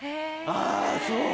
あぁそう。